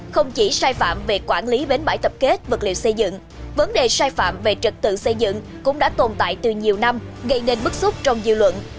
không chỉ sai phạm về quản lý bến bãi tập kết vật liệu xây dựng vấn đề sai phạm về trật tự xây dựng cũng đã tồn tại từ nhiều năm gây nên bức xúc trong dư luận